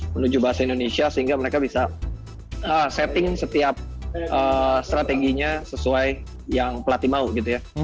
menuju bahasa indonesia sehingga mereka bisa setting setiap strateginya sesuai yang pelatih mau gitu ya